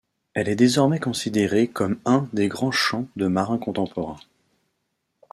Elle est désormais considérée comme un des grands chants de marins contemporains.